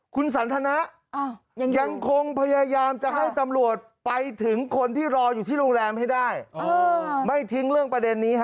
คุณสันทนะยังคงพยายามจะให้ตำรวจไปถึงคนที่รออยู่ที่โรงแรมให้ได้ไม่ทิ้งเรื่องประเด็นนี้